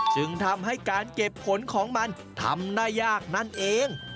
จึงทำให้การเก็บผลของมันทำได้ยากนั่นเอง